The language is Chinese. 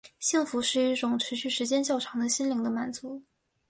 幸福是一种持续时间较长的心灵的满足。